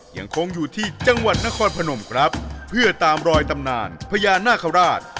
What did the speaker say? ยังคงอยู่ที่จังหวัดนครพนมครับเพื่อตามรอยตำนานพญานาคาราช